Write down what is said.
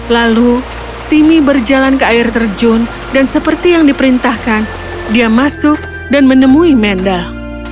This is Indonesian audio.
lalu timmy berjalan ke air terjun dan seperti yang diperintahkan dia masuk dan menemui mendaf